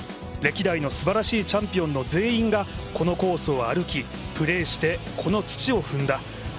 歴代のすばらしいチャンピオンの全員がこのコースを歩きプレーしてこの土を踏んだ。